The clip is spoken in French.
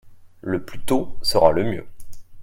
Le plus tôt sera le mieux.